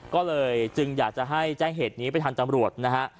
ก็เลยจึงอยากจะให้แจ้งเหตุนี้ไปทางตำรวจนะฮะ